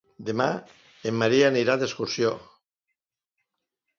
Demà en Maria anirà d'excursió.